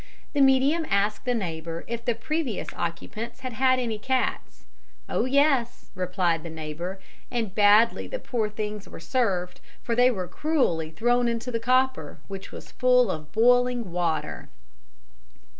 The medium asked a neighbour if the previous occupants had had any cats. "Oh, yes," replied the neighbour, "and badly the poor things were served, for they were cruelly thrown into the copper, which was full of boiling water."